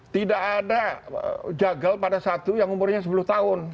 tidak ada jagal pada satu yang umurnya sepuluh tahun